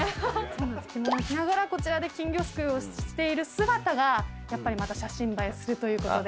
着物を着ながらこちらで金魚すくいをしている姿がやっぱりまた写真映えするということで。